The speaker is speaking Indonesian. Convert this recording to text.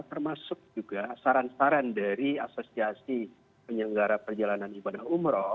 termasuk juga saran saran dari asosiasi penyelenggara perjalanan ibadah umroh